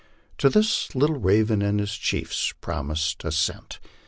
To this Little Raven and his chiefs promised assent.